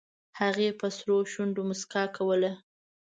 هغې په سرو شونډو موسکا کوله